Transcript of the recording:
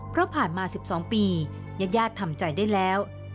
เพราะผ่านมา๑๒ปีญาติทำใจได้แล้ว